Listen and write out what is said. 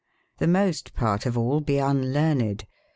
tTbemoost part of al be unlearned.